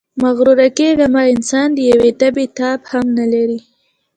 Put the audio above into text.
مغروره کېږئ مه، انسان د یوې تبې تاب هم نلري.